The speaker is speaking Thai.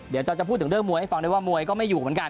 เดี๋ยวจะพูดถึงเรื่องมวยให้ฟังด้วยว่ามวยก็ไม่อยู่เหมือนกัน